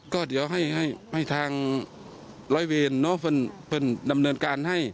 ก็เดี๋ยวให้ทางรอยเวนเนอะเพิ่มดำเนินการให้